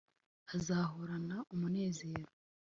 azahorana umunezero